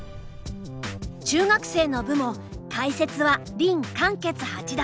中学生の部も解説は林漢傑八段。